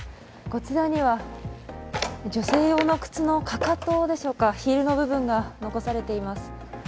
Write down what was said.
こちらには女性用の靴のかかとでしょうか、ヒールの部分が残されています。